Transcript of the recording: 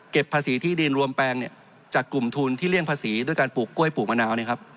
ภาษีที่ดินรวมแปลงจากกลุ่มทุนที่เลี่ยงภาษีด้วยการปลูกกล้วยปลูกมะนาว